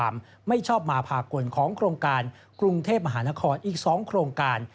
ไม่ชอบมาพากลของโครงการกรุงเทพมหานครอีก๒โครงการ